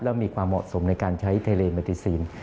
แล้วมีความเหมาะสมในการใช้ทะเลเมติซีน